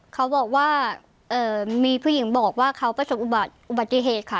เขาบอกว่ามีผู้หญิงบอกว่าเขาประสบอุบัติเหตุค่ะ